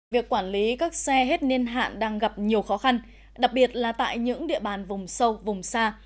việc quản lý các xe hết niên hạn đang gặp nhiều khó khăn đặc biệt là tại những địa bàn vùng sâu vùng xa